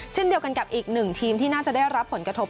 เช่นเดียวกันกับอีกหนึ่งทีมที่น่าจะได้รับผลกระทบ